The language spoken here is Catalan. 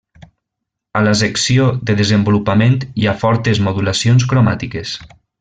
A la secció de desenvolupament hi ha fortes modulacions cromàtiques.